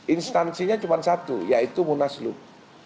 instansinya cuma satu yaitu munas lub